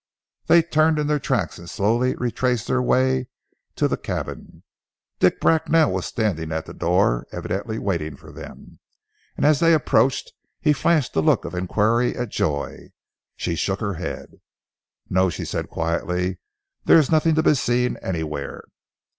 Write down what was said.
They turned in their tracks and slowly retraced their way to the cabin. Dick Bracknell was standing at the door, evidently waiting for them, and as they approached he flashed a look of inquiry at Joy. She shook her head. "No," she said quietly. "There is nothing to be seen anywhere."